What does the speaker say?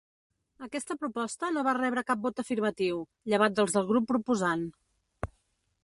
Aquesta proposta no va rebre cap vot afirmatiu, llevat dels del grup proposant.